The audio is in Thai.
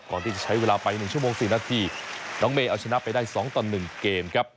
ก่อนที่จะใช้เวลาไป๑ชั่วโมง๔นาทีน้องเมย์เอาชนะไปได้๒ต่อ๑เกมครับ